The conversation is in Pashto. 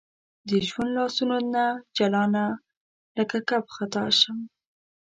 د ژوند لاسونو نه جلانه لکه کب خطا شم